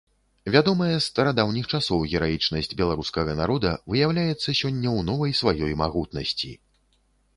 Вядомая з старадаўніх часоў гераічнасць беларускага народа выяўляецца сёння ў новай сваёй магутнасці.